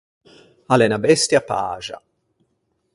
A l’é unna bestia paxa.